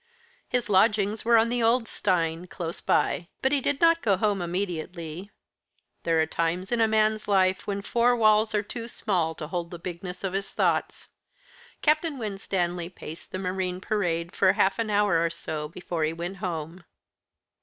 His lodgings were on the Old Steine, close by. But he did not go home immediately. There are times in a man's life when four walls are to small too hold the bigness of his thoughts. Captain Winstanley paced the Marine Parade for half an hour or so before he went home.